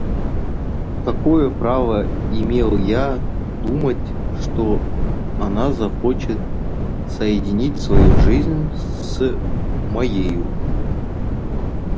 Какое право имел я думать, что она захочет соединить свою жизнь с моею?